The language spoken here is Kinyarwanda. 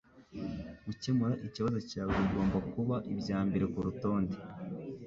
Gukemura ikibazo cyawe bigomba kuba ibya mbere kurutonde.